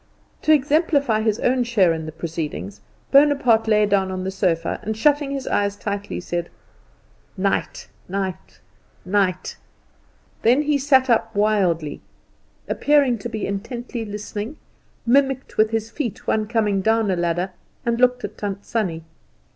To exemplify his own share in the proceedings, Bonaparte lay down on the sofa, and shutting his eyes tightly, said, "Night, night, night!" Then he sat up wildly, appearing to be intently listening, mimicked with his feet the coming down a ladder, and looked at Tant Sannie.